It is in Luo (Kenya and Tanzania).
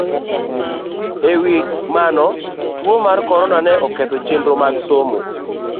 E wi mano, tuwo mar Corona ne oketho chenro mag somo